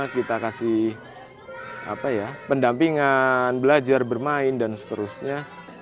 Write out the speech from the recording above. kita kasih pendampingan belajar bermain dan seterusnya